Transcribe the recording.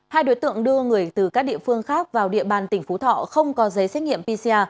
hai đối tượng đưa người từ các địa phương khác vào địa bàn tỉnh phú thọ không có giấy xét nghiệm pcr